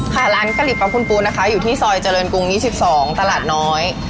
ค่ะร้านกะหลิบของคุณปูนะคะอยู่ที่ซอยเจริญกรุง๒๒ตลาดน้อย